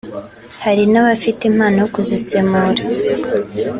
hari n’abafite impano yo kuzisemura